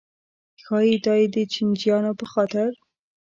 ښایي دا یې د چیچنیایانو په خاطر.